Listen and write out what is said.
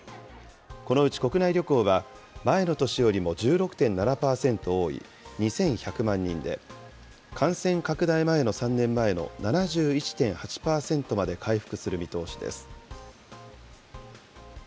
このうち国内旅行は、前の年よりも１６．７％多い２１００万人で、感染拡大前の３年前の７１．８％まで回復する見通しです。